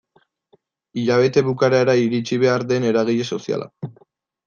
Hilabete bukaerara iritsi behar den eragile soziala.